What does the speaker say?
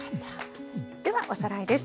ではおさらいです。